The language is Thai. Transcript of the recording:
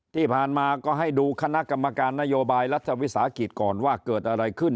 ที่ผ่านมาก็ให้ดูคณะกรรมการนโยบายรัฐวิสาหกิจก่อนว่าเกิดอะไรขึ้น